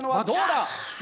どうだ？